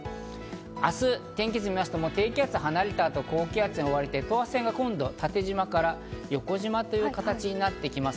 明日の天気図を見ますと、低気圧が離れたあと、高気圧に覆われて、等圧線は今度は縦縞から横縞になってきます。